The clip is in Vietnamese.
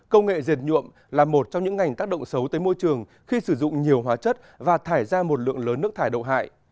công nghệ diệt nhuộm là một trong những ngành tác động xấu tới môi trường khi sử dụng nhiều hóa chất và thải ra một lượng lớn nước thải đậu hại